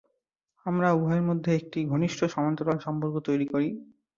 আমরা উভয়ের মধ্যে একটি ঘনিষ্ঠ সমান্তরাল সম্পর্ক তৈরী করি।